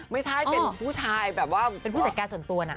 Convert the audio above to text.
ไม่ใช่เป็นผู้ชายแบบว่าเป็นผู้จัดการส่วนตัวนะ